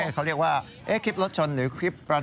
เขาเรียกว่าคลิปรถชนหรือคลิป